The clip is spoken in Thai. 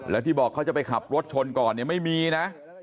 แล้วที่บอกเขาจะไปขับรถชนก่อนเนี่ยไม่มีนะ